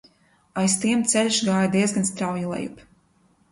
Aiz tiem ceļš gāja diezgan strauji lejup.